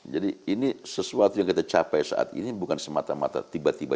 jadi ini sesuatu yang kita capai saat ini bukan semata mata tiba tiba